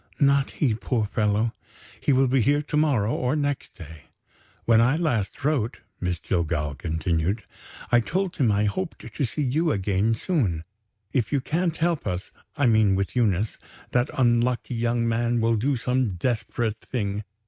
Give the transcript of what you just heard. "Not he, poor fellow! He will be here to morrow or next day. When I last wrote," Miss Jillgall continued, "I told him I hoped to see you again soon. If you can't help us (I mean with Eunice) that unlucky young man will do some desperate thing.